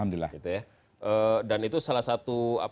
dan itu salah satu